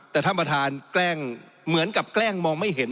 แต่ท่านประธานแกล้งเหมือนกับแกล้งมองไม่เห็น